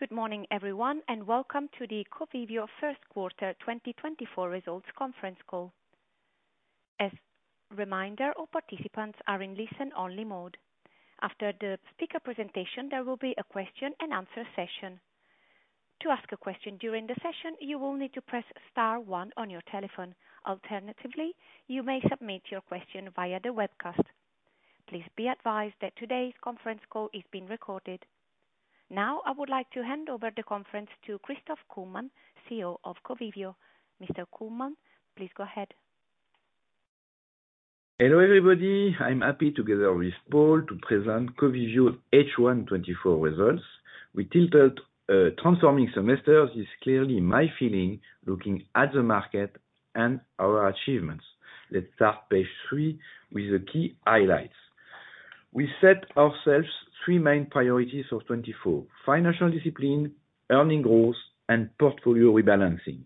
Good morning, everyone, and welcome to the Covivio Q1 2024 Results Conference Call. As a reminder, all participants are in listen-only mode. After the speaker presentation, there will be a question-and-answer session. To ask a question during the session, you will need to press Star 1 on your telephone. Alternatively, you may submit your question via the webcast. Please be advised that today's conference call is being recorded. Now, I would like to hand over the conference to Christophe Kullmann, CEO of Covivio. Mr. Kullmann, please go ahead. Hello, everybody. I'm happy to gather with Paul to present Covivio H1 2024 results. We titled "Transforming Semesters is Clearly My Feeling: Looking at the Market and Our Achievements." Let's start page three with the key highlights. We set ourselves three main priorities for 2024: financial discipline, earning growth, and portfolio rebalancing.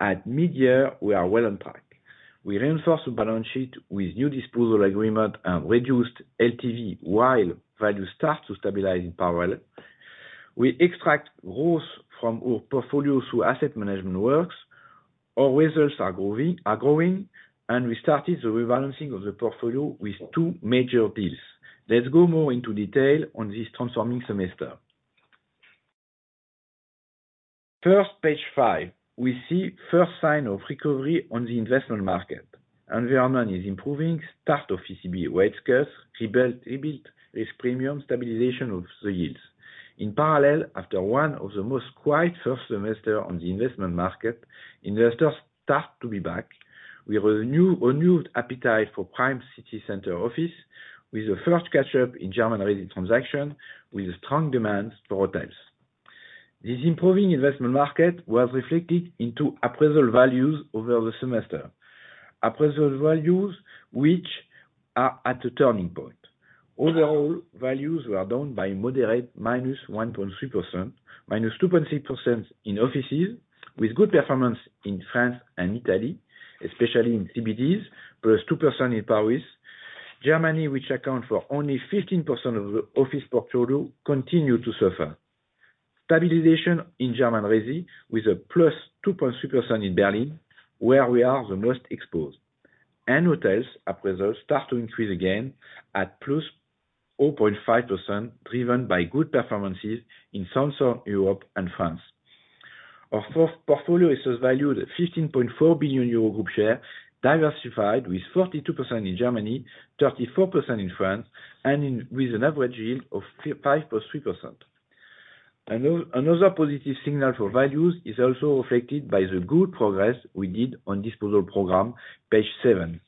At mid-year, we are well on track. We reinforce the balance sheet with new disposal agreements and reduced LTV while value starts to stabilize in parallel. We extract growth from our portfolio through asset management works. Our results are growing, and we started the rebalancing of the portfolio with two major deals. Let's go more into detail on this transforming semester. First, page 5, we see first sign of recovery on the investment market. Environment is improving, start of ECB rate curve, rebuild risk premium, stabilization of the yields. In parallel, after one of the most quiet first semesters on the investment market, investors start to be back. We have a renewed appetite for prime city center office with the first catch-up in German residential transaction with strong demand for hotels. This improving investment market was reflected into appraisal values over the semester, appraisal values which are at a turning point. Overall, values were down by a moderate -1.3%, -2.6% in offices with good performance in France and Italy, especially in CBDs, +2% in Paris. Germany, which accounts for only 15% of the office portfolio, continued to suffer. Stabilization in German residential with a +2.2% in Berlin, where we are the most exposed. Hotels' appraisals start to increase again at +0.5%, driven by good performances in some Southern Europe and France. Our portfolio is valued at 15.4 billion euro group share, diversified with 42% in Germany, 34% in France, and with an average yield of 5.3%. Another positive signal for values is also reflected by the good progress we did on disposal program, page seven.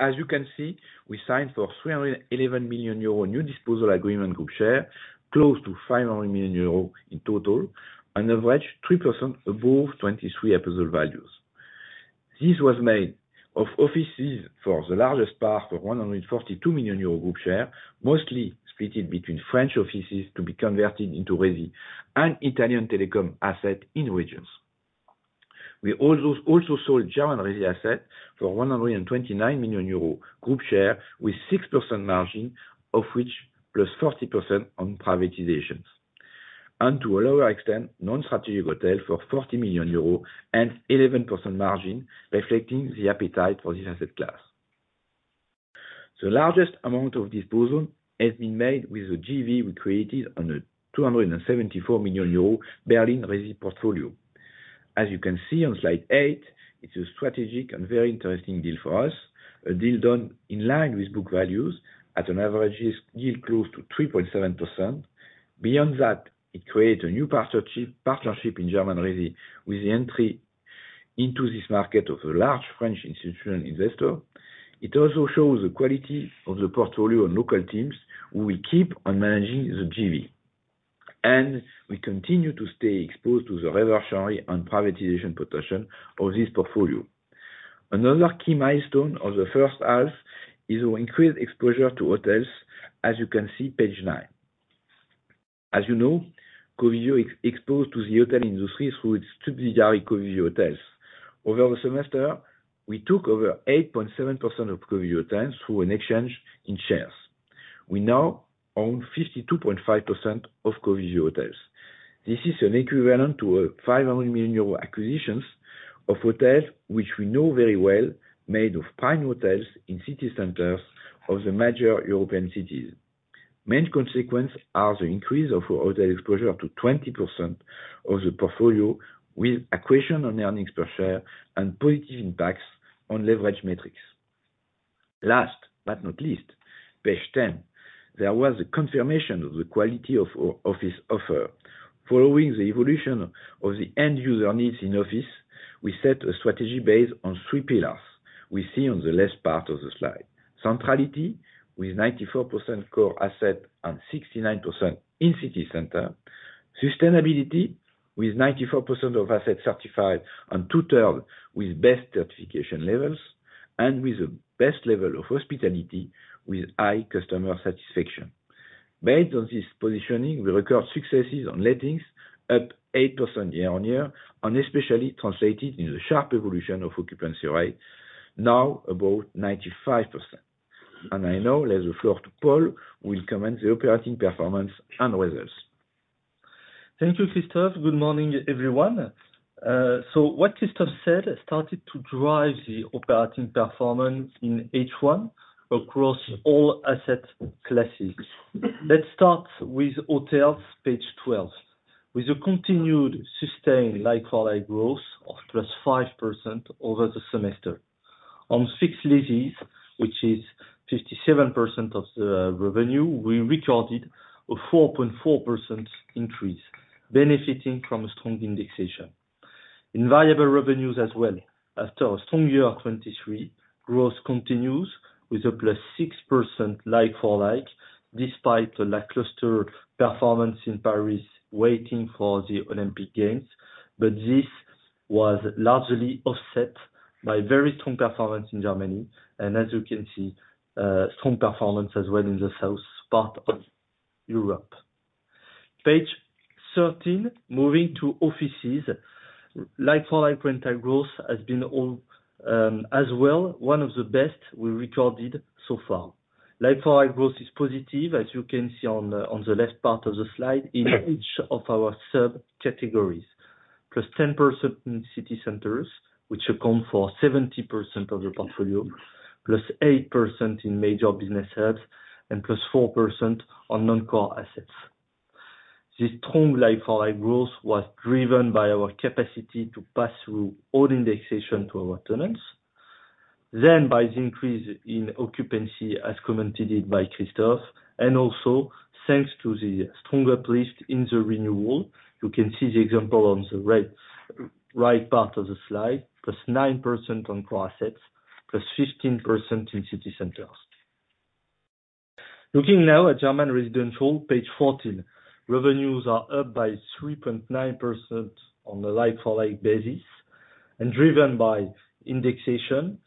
As you can see, we signed for 311 million euro new disposal agreement group share, close to 500 million euro in total, an average 3% above 2023 appraisal values. This was made of offices for the largest part for 142 million euro group share, mostly split between French offices to be converted into residential and Italian telecom asset in regions. We also sold German residential assets for 129 million euro group share with 6% margin of which +40% on privatizations. To a lower extent, non-strategic hotel for 40 million euros and 11% margin, reflecting the appetite for this asset class. The largest amount of disposal has been made with the GV we created on the 274 million euro Berlin residential portfolio. As you can see on slide eight, it's a strategic and very interesting deal for us, a deal done in line with book values at an average yield close to 3.7%. Beyond that, it created a new partnership in German residential with the entry into this market of a large French institutional investor. It also shows the quality of the portfolio and local teams who will keep on managing the GV. We continue to stay exposed to the reversionary and privatization potential of this portfolio. Another key milestone of the first half is our increased exposure to hotels, as you can see page nine. As you know, Covivio is exposed to the hotel industry through its subsidiary Covivio Hotels. Over the semester, we took over 8.7% of Covivio Hotels through an exchange in shares. We now own 52.5% of Covivio Hotels. This is an equivalent to a 500 million euro acquisition of hotels, which we know very well made of prime hotels in city centers of the major European cities. Main consequences are the increase of our hotel exposure to 20% of the portfolio with accretion on earnings per share and positive impacts on leverage metrics. Last but not least, page 10, there was a confirmation of the quality of our office offer. Following the evolution of the end user needs in office, we set a strategy based on three pillars we see on the left part of the slide: centrality with 94% core asset and 69% in city center, sustainability with 94% of assets certified and two-thirds with best certification levels, and with the best level of hospitality with high customer satisfaction. Based on this positioning, we record successes on ratings up 8% year-on-year, and especially translated in the sharp evolution of occupancy rate, now about 95%. I now lend the floor to Paul, who will comment on the operating performance and results. Thank you, Christophe. Good morning, everyone. So what Christophe said started to drive the operating performance in H1 across all asset classes. Let's start with hotels, page 12, with a continued sustained like-for-like growth of +5% over the semester. On fixed leases, which is 57% of the revenue, we recorded a 4.4% increase, benefiting from a strong indexation. In variable revenues as well, after a strong year 2023, growth continues with a +6% like-for-like despite the lackluster performance in Paris waiting for the Olympic Games, but this was largely offset by very strong performance in Germany, and as you can see, strong performance as well in the south part of Europe. Page 13, moving to offices, like-for-like rental growth has been as well one of the best we recorded so far. Like-for-like growth is positive, as you can see on the left part of the slide in each of our subcategories. +10% in city centers, which accounts for 70% of the portfolio, +8% in major business hubs, and +4% on non-core assets. This strong like-for-like growth was driven by our capacity to pass through all indexation to our tenants, then by the increase in occupancy as commented by Christophe, and also thanks to the strong uplift in the renewal. You can see the example on the right part of the slide, +9% on core assets, +15% in city centers. Looking now at German residential, page 14, revenues are up by 3.9% on a like-for-like basis, driven by indexation,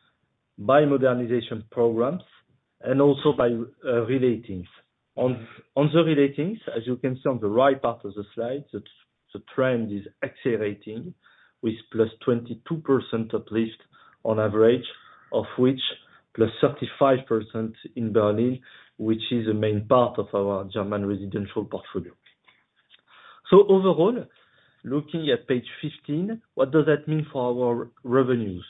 by modernization programs, and also by relettings. On the relettings, as you can see on the right part of the slide, the trend is accelerating with +22% uplift on average, of which +35% in Berlin, which is a main part of our German residential portfolio. So overall, looking at page 15, what does that mean for our revenues?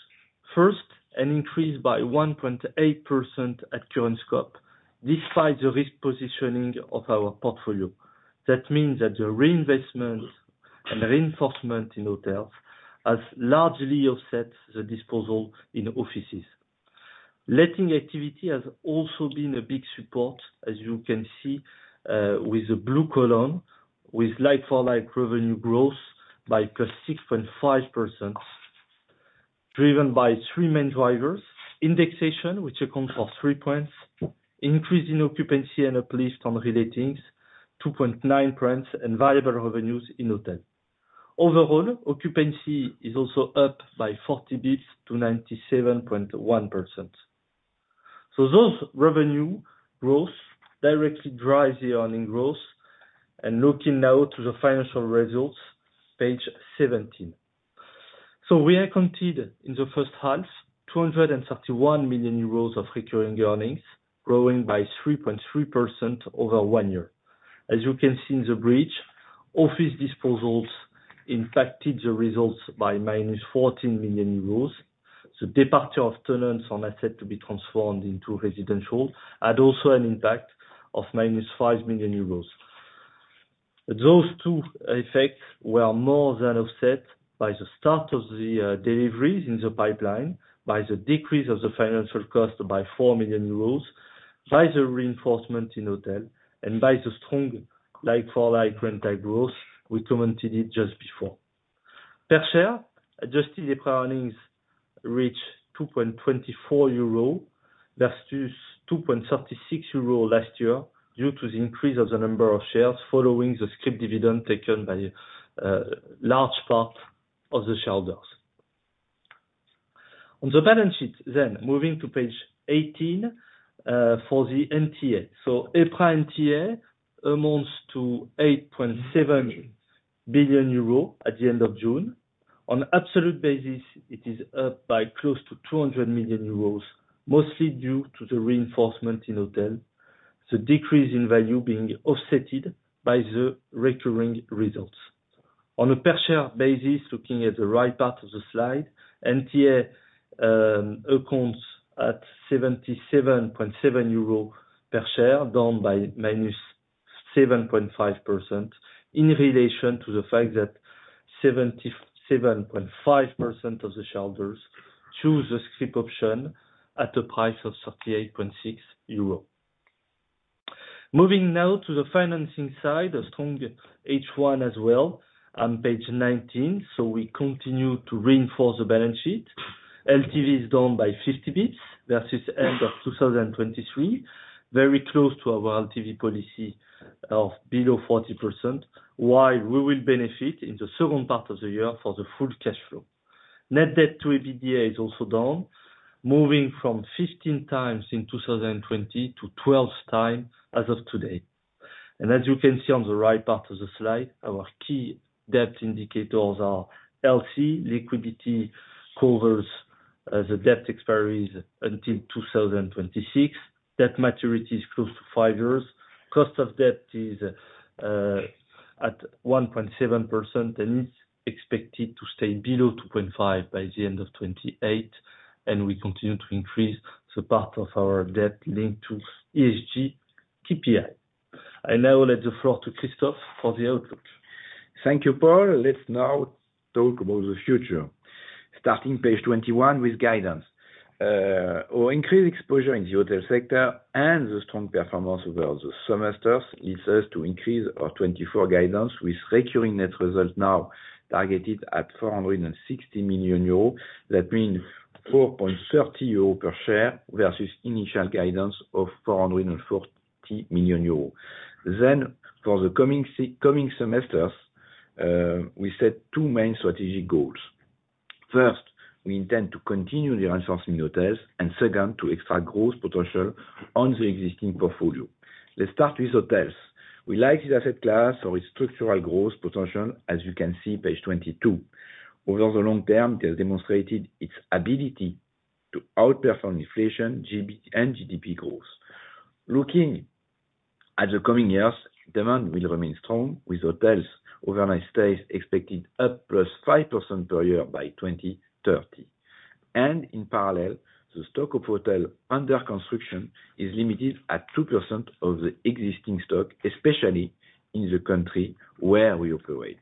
First, an increase by 1.8% at current scope, despite the risk positioning of our portfolio. That means that the reinvestment and reinforcement in hotels has largely offset the disposal in offices. Letting activity has also been a big support, as you can see with the blue column, with like-for-like revenue growth by +6.5%, driven by three main drivers: indexation, which accounts for three points, increase in occupancy and uplift on relettings, 2.9 points, and variable revenues in hotels. Overall, occupancy is also up by 40 basis points to 97.1%. So those revenue growths directly drive the earnings growth. And looking now to the financial results, page 17. So we accounted in the first half 231 million euros of recurring earnings, growing by 3.3% over one year. As you can see in the bridge, office disposals impacted the results by -14 million euros. The departure of tenants on assets to be transformed into residential had also an impact of -5 million euros. Those two effects were more than offset by the start of the deliveries in the pipeline, by the decrease of the financial cost by 4 million euros, by the reinforcement in hotel, and by the strong like-for-like rental growth we commented just before. Per share, adjusted earnings reached 2.24 euro versus 2.36 euro last year due to the increase of the number of shares following the Scrip dividend taken by a large part of the shareholders. On the balance sheet, then, moving to page 18 for the NTA. So EPRA NTA amounts to 8.7 billion euro at the end of June. On absolute basis, it is up by close to 200 million euros, mostly due to the reinforcement in hotels, the decrease in value being offset by the recurring results. On a per share basis, looking at the right part of the slide, NTA accounts at 77.7 euro per share, down by -7.5% in relation to the fact that 77.5% of the shareholders choose the SCRIP option at a price of 38.6 euros. Moving now to the financing side, a strong H1 as well on page 19. So we continue to reinforce the balance sheet. LTV is down by 50 basis points versus end of 2023, very close to our LTV policy of below 40%, while we will benefit in the second part of the year for the full cash flow. Net debt to EBITDA is also down, moving from 15 times in 2020 to 12 times as of today. As you can see on the right part of the slide, our key debt indicators are LCR, liquidity covers the debt expiry until 2026. Debt maturity is close to five years. Cost of debt is at 1.7% and is expected to stay below 2.5% by the end of 2028. We continue to increase the part of our debt linked to ESG KPI. I now lend the floor to Christophe for the outlook. Thank you, Paul. Let's now talk about the future. Starting page 21 with guidance. Our increased exposure in the hotel sector and the strong performance over the semesters leads us to increase our 2024 guidance with recurring net result now targeted at 460 million euros. That means 4.30 euros per share versus initial guidance of 440 million euros. Then, for the coming semesters, we set two main strategic goals. First, we intend to continue the reinforcement in hotels and second, to extract growth potential on the existing portfolio. Let's start with hotels. We like the asset class for its structural growth potential, as you can see page 22. Over the long term, it has demonstrated its ability to outperform inflation and GDP growth. Looking at the coming years, demand will remain strong with hotels, overnight stays expected up +5% per year by 2030. And in parallel, the stock of hotel under construction is limited at 2% of the existing stock, especially in the country where we operate.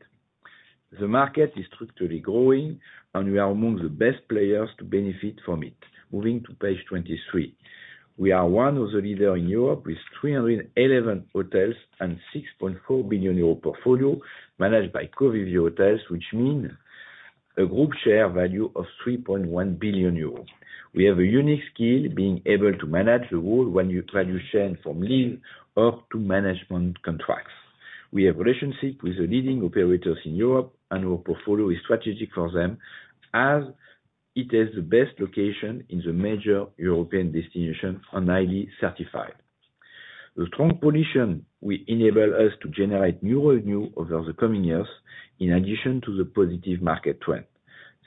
The market is structurally growing, and we are among the best players to benefit from it. Moving to page 23, we are one of the leaders in Europe with 311 hotels and 6.4 billion euro portfolio managed by Covivio Hotels, which means a group share value of 3.1 billion euros. We have a unique skill being able to manage the whole value chain from lease or to management contracts. We have relationships with the leading operators in Europe, and our portfolio is strategic for them as it has the best location in the major European destinations and ID certified. The strong position will enable us to generate new revenue over the coming years in addition to the positive market trend.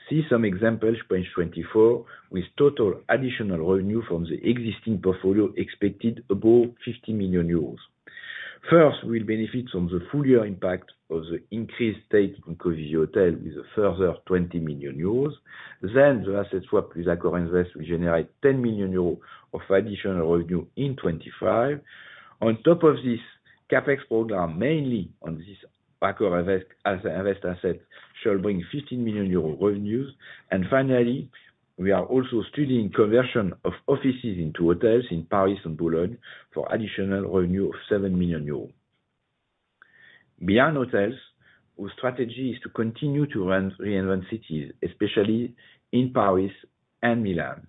See some examples, page 24, with total additional revenue from the existing portfolio expected above 50 million euros. First, we'll benefit from the full year impact of the increased stake in Covivio Hotels with a further 20 million euros. Then, the asset swap with AccorInvest will generate 10 million euros of additional revenue in 2025. On top of this, CAPEX program, mainly on this AccorInvest asset, shall bring 15 million euros revenues. And finally, we are also studying conversion of offices into hotels in Paris and Boulogne for additional revenue of 7 million euros. Beyond hotels, our strategy is to continue to reinvent cities, especially in Paris and Milan.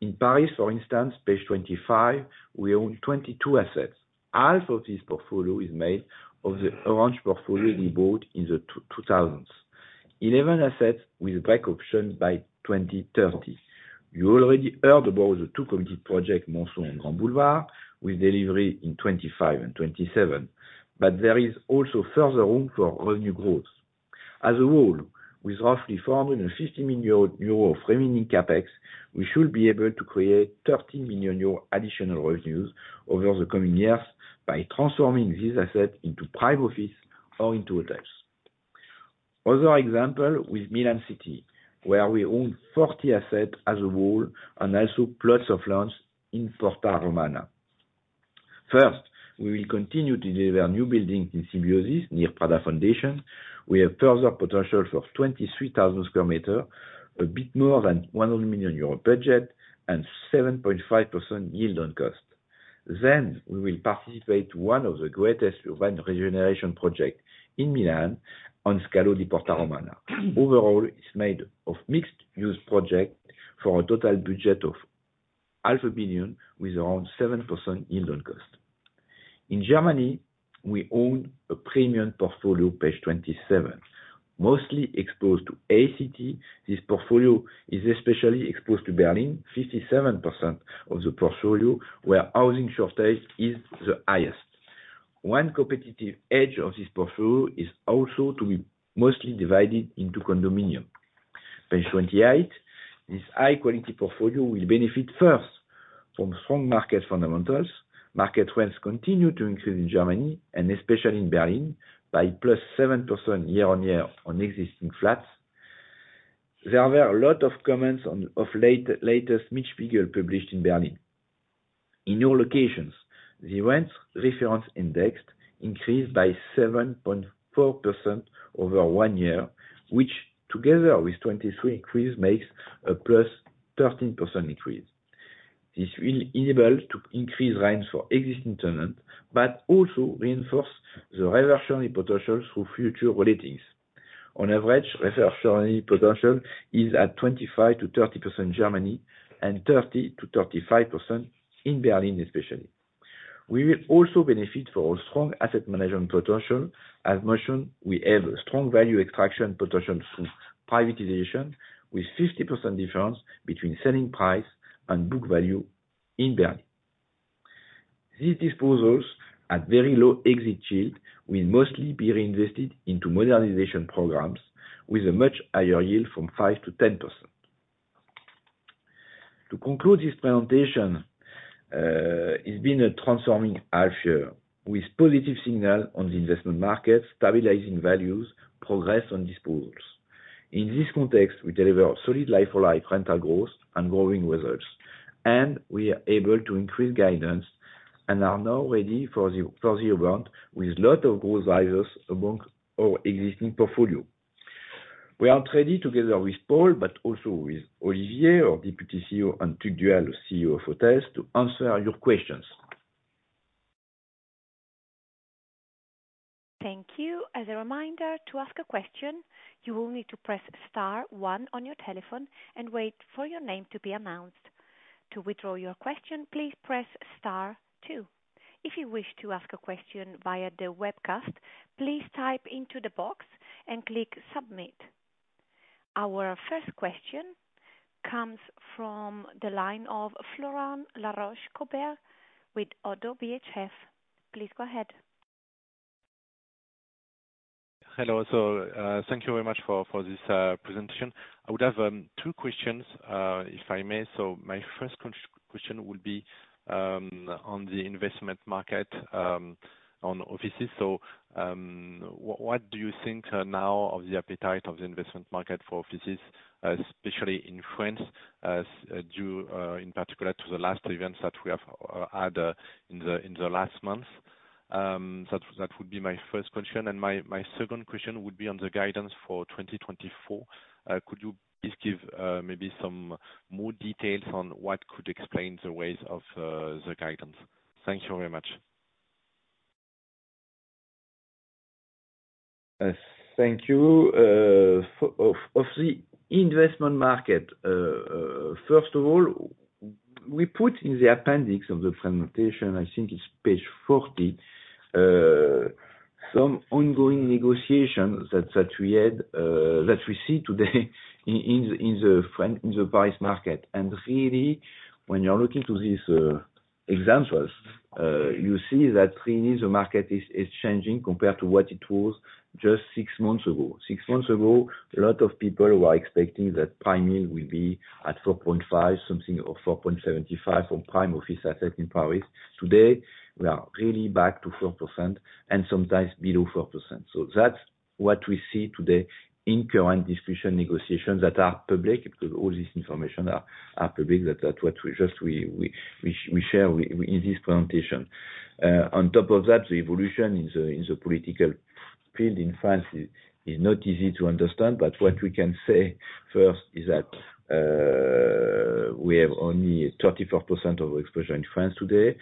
In Paris, for instance, page 25, we own 22 assets. Half of this portfolio is made of the orange portfolio we bought in the 2000s, 11 assets with break options by 2030. You already heard about the two committed project Monceau and Grand Boulevard with delivery in 2025 and 2027, but there is also further room for revenue growth. As a whole, with roughly 450 million euro of remaining CAPEX, we should be able to create 30 million euro additional revenues over the coming years by transforming these assets into private office or into hotels. Other example with Milan City, where we own 40 assets as a whole and also plots of land in Porta Romana. First, we will continue to deliver new buildings in Symbiosis near Fondazione Prada. We have further potential for 23,000 square meters, a bit more than 100 million euro budget, and 7.5% yield on cost. Then, we will participate in one of the greatest urban regeneration projects in Milan on Scalo di Porta Romana. Overall, it's made of mixed-use projects for a total budget of 500 million with around 7% yield on cost. In Germany, we own a premium portfolio, page 27. Mostly exposed to ACT, this portfolio is especially exposed to Berlin, 57% of the portfolio, where housing shortage is the highest. One competitive edge of this portfolio is also to be mostly divided into condominium. Page 28, this high-quality portfolio will benefit first from strong market fundamentals. Market trends continue to increase in Germany and especially in Berlin by +7% year-on-year on existing flats. There were a lot of comments on the latest Mietspiegel published in Berlin. In all locations, the rents reference indexed increased by 7.4% over one year, which together with 2-3 increases makes a +13% increase. This will enable to increase rents for existing tenants, but also reinforce the reversionary potential through future relatings. On average, reversionary potential is at 25%-30% in Germany and 30%-35% in Berlin, especially. We will also benefit from a strong asset management potential. As mentioned, we have a strong value extraction potential through privatization with 50% difference between selling price and book value in Berlin. These disposals at very low exit yield will mostly be reinvested into modernization programs with a much higher yield from 5%-10%. To conclude this presentation, it's been a transforming half year with positive signals on the investment market, stabilizing values, progress on disposals. In this context, we deliver solid like-for-like rental growth and growing results, and we are able to increase guidance and are now ready for the year round with a lot of growth drivers among our existing portfolio. We are ready together with Paul, but also with Olivier, our Deputy CEO, and Tugdual, CEO of Hotels, to answer your questions. Thank you. As a reminder, to ask a question, you will need to press star one on your telephone and wait for your name to be announced. To withdraw your question, please press star two. If you wish to ask a question via the webcast, please type into the box and click submit. Our first question comes from the line of Florent Laroche-Joubert with ODDO BHF. Please go ahead. Hello. So thank you very much for this presentation. I would have two questions, if I may. So my first question will be on the investment market on offices. So what do you think now of the appetite of the investment market for offices, especially in France, in particular to the last events that we have had in the last months? That would be my first question. And my second question would be on the guidance for 2024. Could you please give maybe some more details on what could explain the rise of the guidance? Thank you very much. Thank you. Of the investment market, first of all, we put in the appendix of the presentation, I think it's page 40, some ongoing negotiations that we see today in the Paris market. And really, when you're looking to these examples, you see that really the market is changing compared to what it was just six months ago. Six months ago, a lot of people were expecting that prime yield will be at 4.5%, something of 4.75% for prime office assets in Paris. Today, we are really back to 4% and sometimes below 4%. So that's what we see today in current discussion negotiations that are public because all this information is public. That's what we just share in this presentation. On top of that, the evolution in the political field in France is not easy to understand. What we can say first is that we have only 34% of exposure in France today.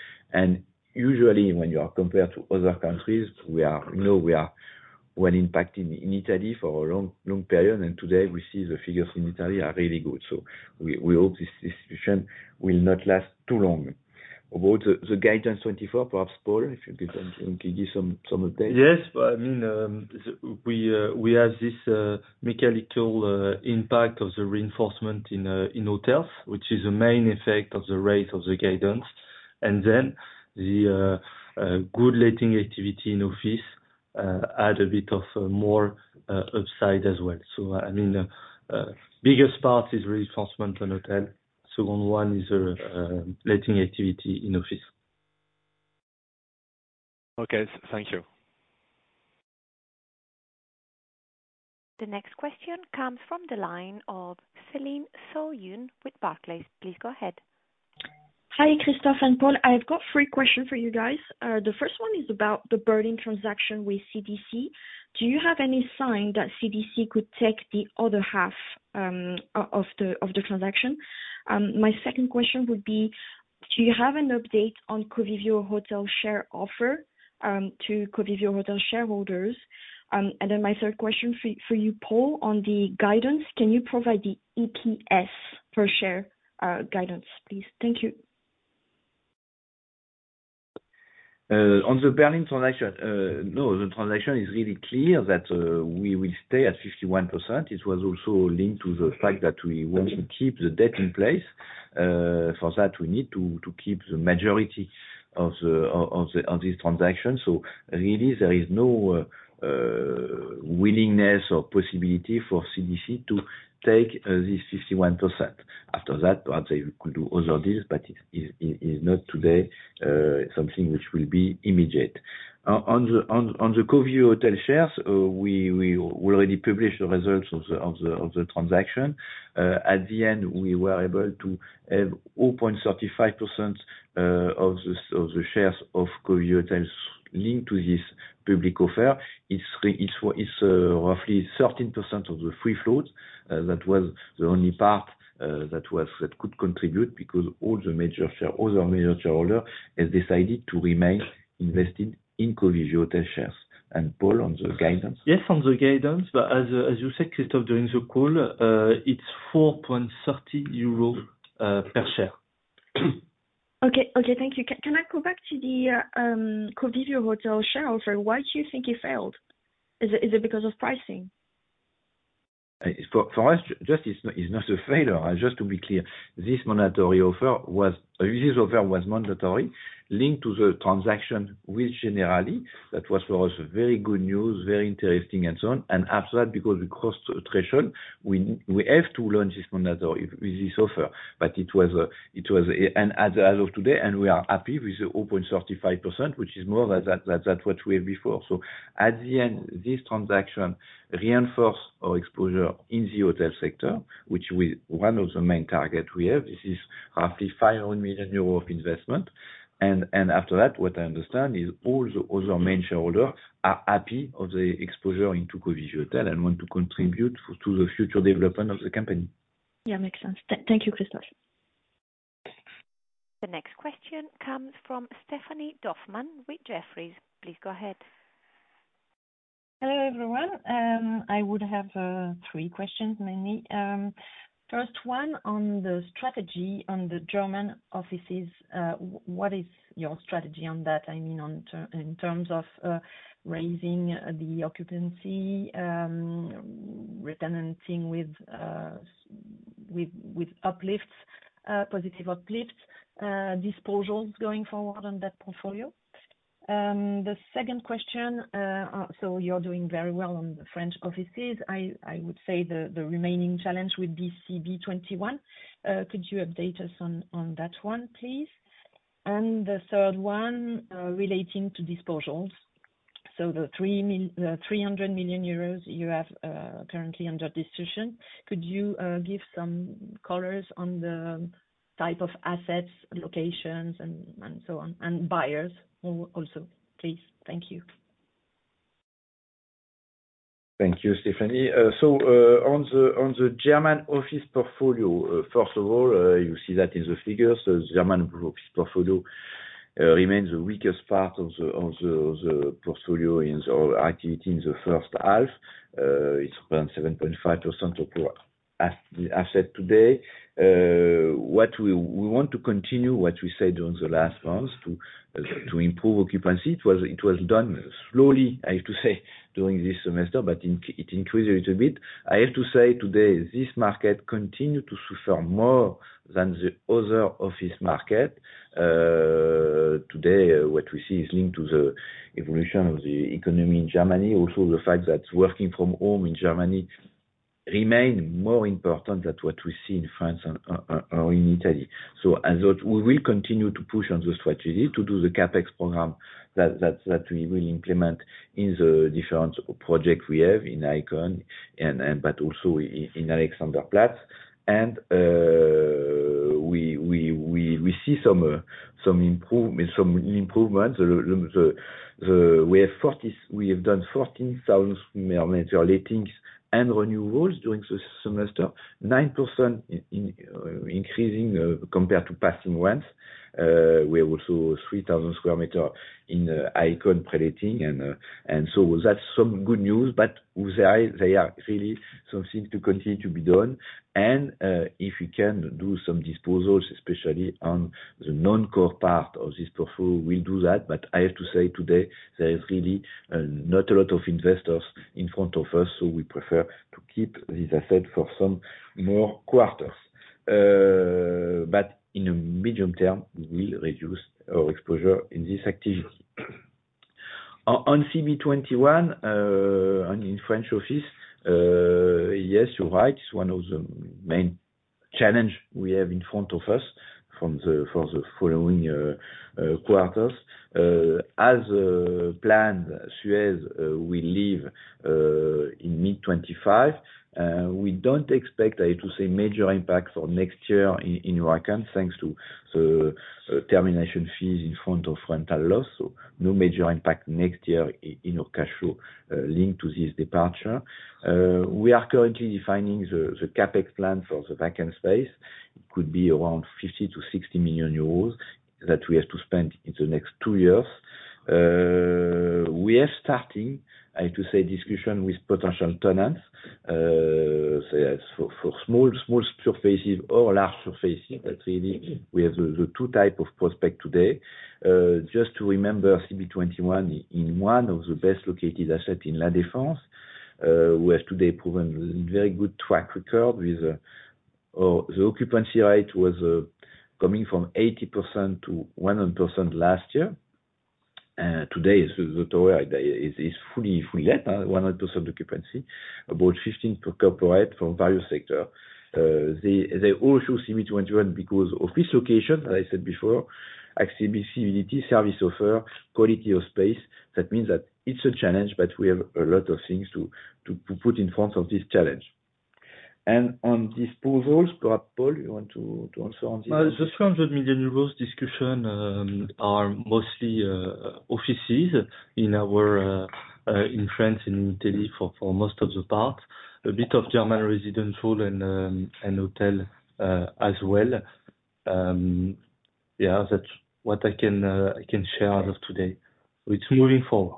Usually, when you are compared to other countries, we are well impacted in Italy for a long period. Today, we see the figures in Italy are really good. So we hope this situation will not last too long. About the guidance 2024, perhaps Paul, if you can give some updates. Yes. I mean, we have this mechanical impact of the reinforcement in hotels, which is the main effect of the rate of the guidance. And then the good letting activity in office adds a bit of more upside as well. So I mean, the biggest part is reinforcement on hotel. The second one is letting activity in office. Okay. Thank you. The next question comes from the line of Céline Soo-Huynh with Barclays. Please go ahead. Hi, Christophe and Paul. I've got three questions for you guys. The first one is about the Berlin transaction with CDC. Do you have any sign that CDC could take the other half of the transaction? My second question would be, do you have an update on Covivio Hotels' share offer to Covivio Hotels shareholders? And then my third question for you, Paul, on the guidance. Can you provide the EPS per share guidance, please? Thank you. On the Berlin transaction, no, the transaction is really clear that we will stay at 51%. It was also linked to the fact that we want to keep the debt in place. For that, we need to keep the majority of these transactions. So really, there is no willingness or possibility for CDC to take this 51%. After that, perhaps they could do other deals, but it is not today something which will be immediate. On the Covivio Hotel shares, we already published the results of the transaction. At the end, we were able to have 0.35% of the shares of Covivio Hotel linked to this public offer. It's roughly 13% of the free float. That was the only part that could contribute because all the major shareholders have decided to remain invested in Covivio Hotel shares. And Paul, on the guidance? Yes, on the guidance. But as you said, Christophe, during the call, it's 4.30 euro per share. Okay. Okay. Thank you. Can I go back to the Covivio Hotels share offer? Why do you think it failed? Is it because of pricing? For us, just it's not a failure. Just to be clear, this mandatory offer was mandatory linked to the transaction with Generali. That was for us very good news, very interesting, and so on. After that, because we crossed threshold, we have to launch this mandatory with this offer. But it was as of today, and we are happy with the 0.35%, which is more than that what we had before. At the end, this transaction reinforced our exposure in the hotel sector, which was one of the main targets we have. This is roughly 500 million euros of investment. After that, what I understand is all the other main shareholders are happy of the exposure into Covivio Hotels and want to contribute to the future development of the company. Yeah, makes sense. Thank you, Christophe. The next question comes from Stéphanie Dossmann with Jefferies. Please go ahead. Hello, everyone. I would have 3 questions, mainly. First one on the strategy on the German offices. What is your strategy on that? I mean, in terms of raising the occupancy, retenting with uplifts, positive uplifts, disposals going forward on that portfolio. The second question, so you're doing very well on the French offices. I would say the remaining challenge would be CB21. Could you update us on that one, please? And the third one relating to disposals. So the 300 million euros you have currently under discussion, could you give some colors on the type of assets, locations, and so on, and buyers also, please? Thank you. Thank you, Stephanie. So on the German office portfolio, first of all, you see that in the figures, the German office portfolio remains the weakest part of the portfolio in our activity in the first half. It's around 7.5% of our asset today. We want to continue what we said during the last months to improve occupancy. It was done slowly, I have to say, during this semester, but it increased a little bit. I have to say today, this market continues to suffer more than the other office market. Today, what we see is linked to the evolution of the economy in Germany, also the fact that working from home in Germany remains more important than what we see in France or in Italy. So we will continue to push on the strategy to do the CapEx program that we will implement in the different projects we have in ICON, but also in Alexanderplatz. We see some improvements. We have done 14,000 sq m lettings and renewals during the semester, 9% increasing compared to past year once. We have also 3,000 sq m in ICON preletting. So that's some good news, but they are really something to continue to be done. If we can do some disposals, especially on the non-core part of this portfolio, we'll do that. But I have to say today, there is really not a lot of investors in front of us, so we prefer to keep these assets for some more quarters. But in the medium term, we will reduce our exposure in this activity. On CB21, in French office, yes, you're right, it's one of the main challenges we have in front of us for the following quarters. As planned, SUEZ will leave in mid-2025. We don't expect, I have to say, major impact for next year in EPRA, thanks to the termination fees in front of rental loss. So no major impact next year in our cash flow linked to this departure. We are currently defining the CapEx plan for the vacant space. It could be around 50 million-60 million euros that we have to spend in the next two years. We are starting, I have to say, discussion with potential tenants. So for small surfaces or large surfaces, that really we have the two types of prospects today. Just to remember, CB21 is one of the best located assets in La Défense. We have today proven a very good track record with the occupancy rate coming from 80% to 100% last year. Today, the tower is fully let, 100% occupancy, about 15 per capita for various sectors. They also seem to enter because of this location, as I said before, accessibility, service offer, quality of space. That means that it's a challenge, but we have a lot of things to put in front of this challenge. And on disposals, perhaps, Paul, you want to answer on this? Just EUR 100 million discussions are mostly offices in France and in Italy for most of the parts, a bit of German residential and hotel as well. Yeah, that's what I can share out of today. It's moving forward.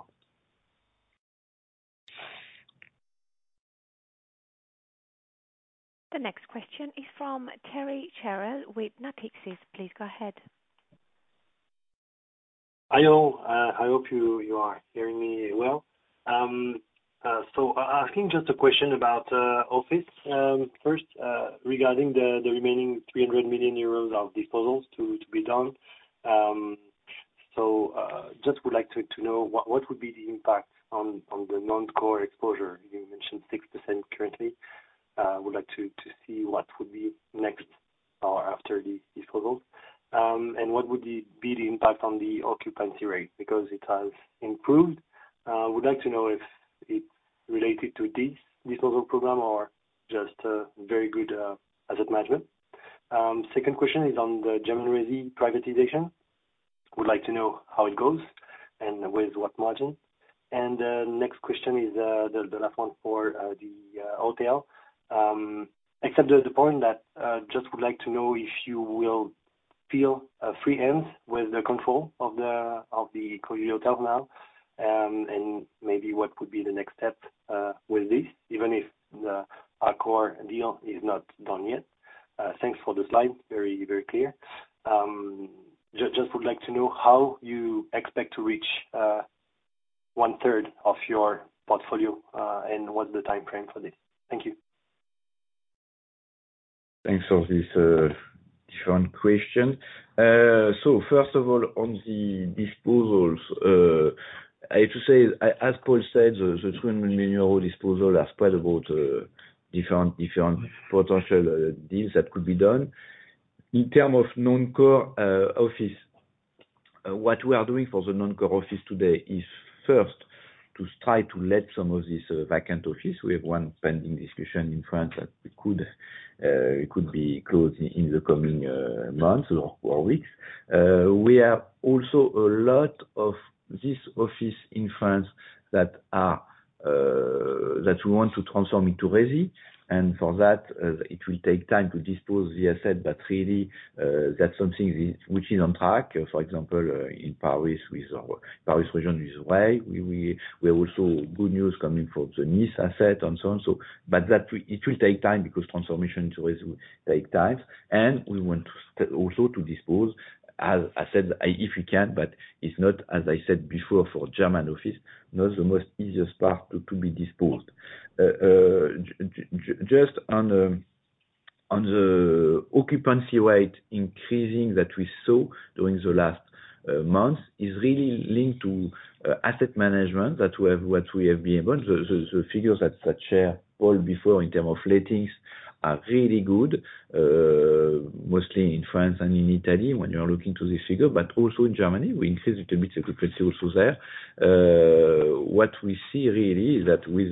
The next question is from Thierry Cherel with Natixis. Please go ahead. Hi all. I hope you are hearing me well. I think just a question about office first regarding the remaining 300 million euros of disposals to be done. I would like to know what would be the impact on the non-core exposure. You mentioned 6% currently. I would like to see what would be next or after these disposals. And what would be the impact on the occupancy rate? Because it has improved. I would like to know if it's related to this disposal program or just very good asset management. Second question is on the German resi privatization. I would like to know how it goes and with what margin. And the next question is the last one for the hotel. Except the point that just would like to know if you will feel a free hand with the control of the Covivio Hotels now and maybe what would be the next step with this, even if our core deal is not done yet. Thanks for the slide. Very clear. Just would like to know how you expect to reach one-third of your portfolio and what's the timeframe for this. Thank you. Thanks for this different question. So first of all, on the disposals, I have to say, as Paul said, the EUR 300 million disposal has quite a lot of different potential deals that could be done. In terms of non-core office, what we are doing for the non-core office today is first to try to let some of these vacant offices. We have one pending discussion in France that could be closed in the coming months or weeks. We have also a lot of these offices in France that we want to transform into resi. And for that, it will take time to dispose of the asset, but really, that's something which is on track. For example, in Paris, Paris region is ready. We have also good news coming for the Nice asset and so on. But it will take time because transformation into resi will take time. We want also to dispose of assets if we can, but it's not, as I said before, for German offices, not the most easiest part to be disposed. Just on the occupancy rate increasing that we saw during the last months is really linked to asset management that we have been able. The figures that Paul shared before in terms of lettings are really good, mostly in France and in Italy when you're looking at this figure, but also in Germany. We increased it a bit a little bit also there. What we see really is that with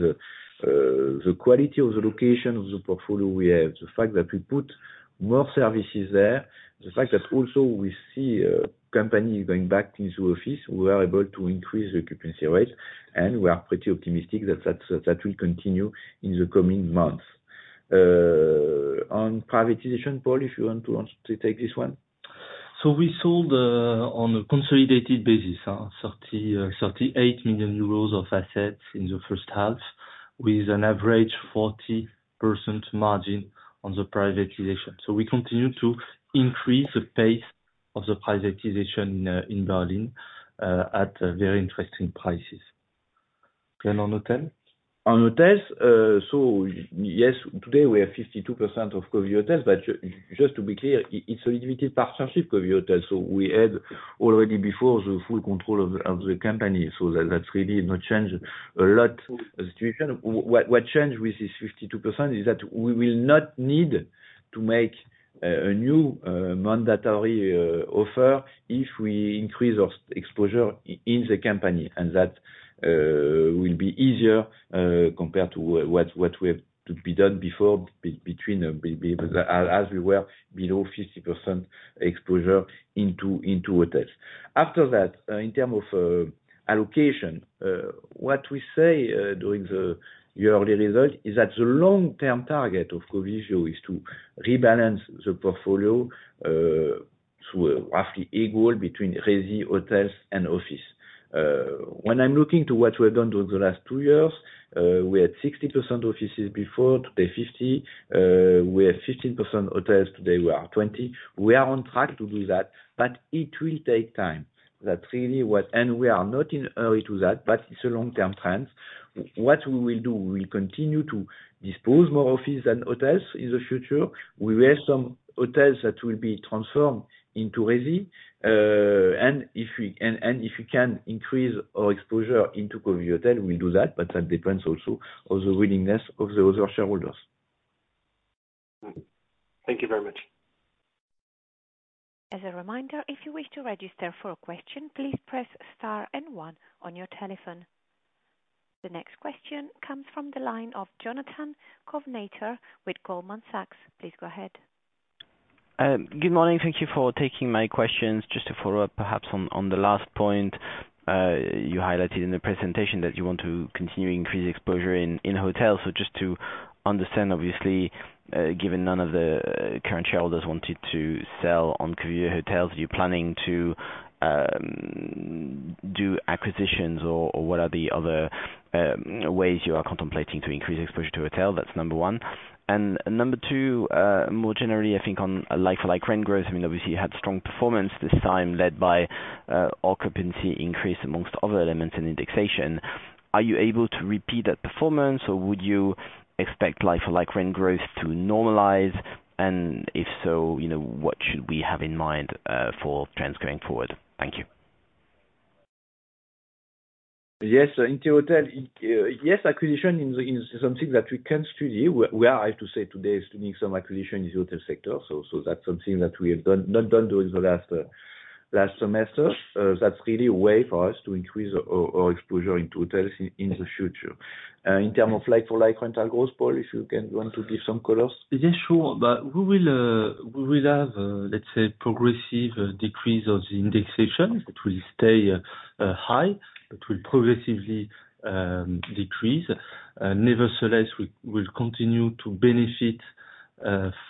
the quality of the location of the portfolio we have, the fact that we put more services there, the fact that also we see companies going back into office, we are able to increase the occupancy rate, and we are pretty optimistic that that will continue in the coming months. On privatization, Paul, if you want to take this one. We sold on a consolidated basis, 38 million euros of assets in the first half with an average 40% margin on the privatization. We continue to increase the pace of the privatization in Berlin at very interesting prices. On hotels? On hotels, so yes, today we have 52% of Covivio Hotels, but just to be clear, it's a limited partnership, Covivio Hotels. So we had already before the full control of the company. So that's really not changed a lot. Situation. What changed with this 52% is that we will not need to make a new mandatory offer if we increase our exposure in the company. And that will be easier compared to what we have to be done before as we were below 50% exposure into hotels. After that, in terms of allocation, what we say during the half-year results is that the long-term target of Covivio is to rebalance the portfolio to roughly equal between resi, hotels, and offices. When I'm looking to what we have done during the last two years, we had 60% offices before, today 50%. We have 15% hotels, today we are 20%. We are on track to do that, but it will take time. We are not in a hurry to that, but it's a long-term trend. What we will do, we will continue to dispose more offices than hotels in the future. We have some hotels that will be transformed into resi. If we can increase our exposure into Covivio Hotels, we'll do that, but that depends also on the willingness of the other shareholders. Thank you very much. As a reminder, if you wish to register for a question, please press star and one on your telephone. The next question comes from the line of Jonathan Kownator with Goldman Sachs. Please go ahead. Good morning. Thank you for taking my questions. Just to follow up, perhaps on the last point you highlighted in the presentation that you want to continue to increase exposure in hotels. So just to understand, obviously, given none of the current shareholders wanted to sell on Covivio Hotels, are you planning to do acquisitions or what are the other ways you are contemplating to increase exposure to hotels? That's number one. And number two, more generally, I think on like-for-like rent growth, I mean, obviously, you had strong performance this time led by occupancy increase amongst other elements in indexation. Are you able to repeat that performance, or would you expect like-for-like rent growth to normalize? And if so, what should we have in mind for trends going forward? Thank you. Yes, in the hotel, yes, acquisition is something that we can study. We are, I have to say, today studying some acquisition in the hotel sector. So that's something that we have not done during the last semester. That's really a way for us to increase our exposure into hotels in the future. In terms of like-for-like rental growth, Paul, if you want to give some colors. Yes, sure. But we will have, let's say, a progressive decrease of the indexation that will stay high, but will progressively decrease. Nevertheless, we will continue to benefit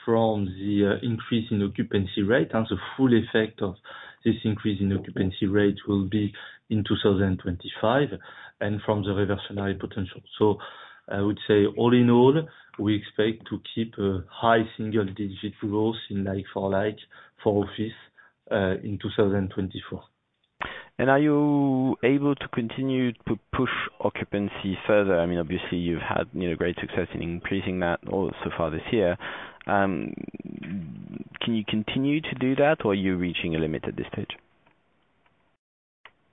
from the increase in occupancy rate. The full effect of this increase in occupancy rate will be in 2025 and from the reversal potential. So I would say, all in all, we expect to keep a high single-digit growth in like-for-like for offices in 2024. Are you able to continue to push occupancy further? I mean, obviously, you've had great success in increasing that so far this year. Can you continue to do that, or are you reaching a limit at this stage?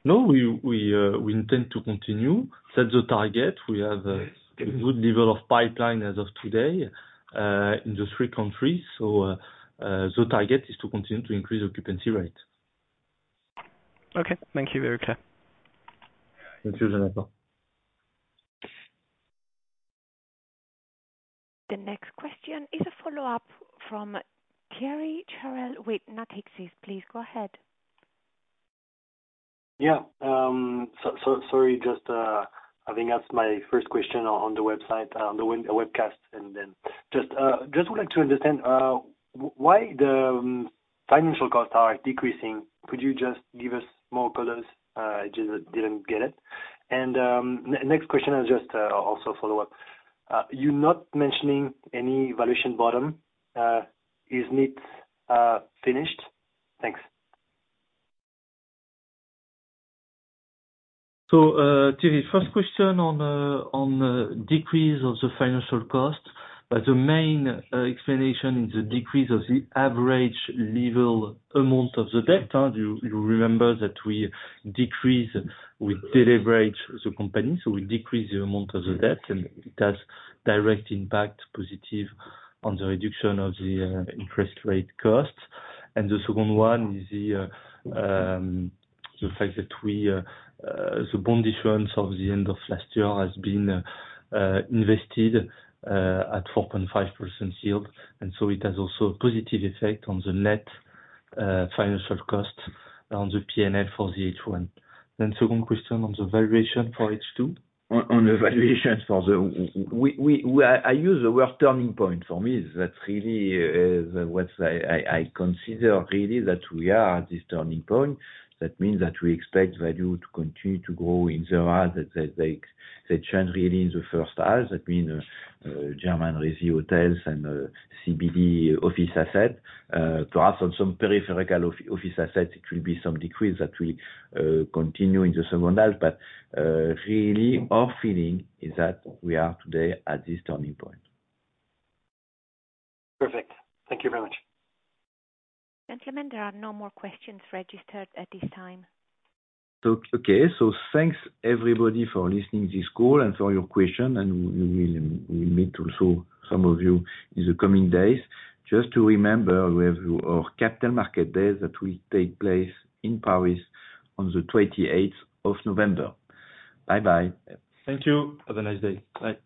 No, we intend to continue. That's the target. We have a good level of pipeline as of today in the three countries. So the target is to continue to increase occupancy rate. Okay. Thank you, very clear. Thank you, Jonathan. The next question is a follow-up from Thierry Cherel with Natixis. Please go ahead. Yeah. Sorry, just having asked my first question on the website, on the webcast, and then just would like to understand why the financial costs are decreasing. Could you just give us more colors? I just didn't get it. And the next question is just also a follow-up. You're not mentioning any valuation bottom. Is it finished? Thanks. So Thierry, first question on the decrease of the financial cost. The main explanation is the decrease of the average level amount of the debt. You remember that we deleveraged the company. So we decrease the amount of the debt, and it has a direct impact, positive, on the reduction of the interest rate cost. And the second one is the fact that the bond issuance of the end of last year has been invested at 4.5% yield. And so it has also a positive effect on the net financial cost on the P&L for the H1. Then second question on the valuation for H2. On the valuation for the, I use the word turning point. For me, that really is what I consider really that we are at this turning point. That means that we expect value to continue to grow in the half that they change really in the first half. That means German resi hotels and CBD office assets. Perhaps on some peripheral office assets, it will be some decrease that will continue in the second half. But really, our feeling is that we are today at this turning point. Perfect. Thank you very much. Gentlemen, there are no more questions registered at this time. Okay. Thanks, everybody, for listening to this call and for your question. We will meet also some of you in the coming days. Just to remember, we have our Capital Market Day that will take place in Paris on the 28th of November. Bye-bye. Thank you. Have a nice day. Bye.